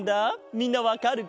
みんなわかるかな？